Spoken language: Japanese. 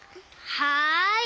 はい！